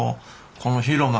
この広間。